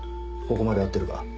ここまで合ってるか？